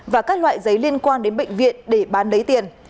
và các loại giấy liên quan đến bệnh viện để bán lấy tiền